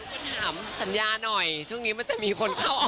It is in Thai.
คุณถามสัญญาหน่อยช่วงนี้มันจะมีคนเข้าออก